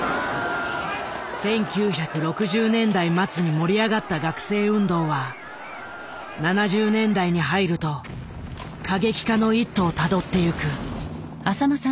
１９６０年代末に盛り上がった学生運動は７０年代に入ると過激化の一途をたどっていく。